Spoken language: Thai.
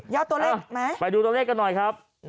ตัวเลขไหมไปดูตัวเลขกันหน่อยครับ